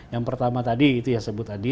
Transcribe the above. yang pertama tadi itu yang saya sebut tadi